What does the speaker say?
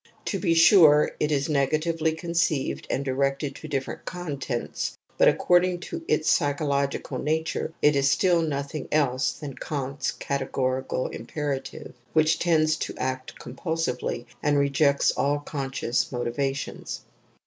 To be sure, it is negatively conceived^ and directed to different contents, but according to its psychological nature, it is still nothing else than Kant^s * Categorical Imperative ', which tends to act compulsivel^ and rejects an conscioya mcjfivations.